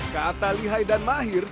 kata lihay dan mahir